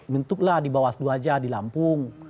bentuklah di bawaslu aja di lampung